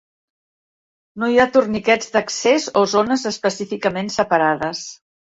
No hi ha torniquets d'accés o zones específicament separades.